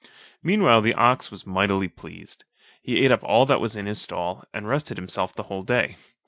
Meanwhile, the ox was mightily pleased; he ate up all that was in his stall, and rested himself the whole day.